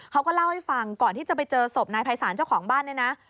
เขาก็เล่าให้ฟังก่อนที่จะไปเจอศพนายภัยศาลเจ้าของบ้านเนี่ยนะ